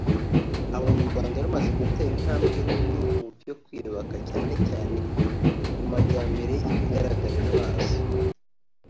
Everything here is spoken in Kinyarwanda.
abona u Rwanda rumaze gutera intambwe nini mubyo kwiyubaka cyane cyane ku majyambere y’ibigaragarira amaso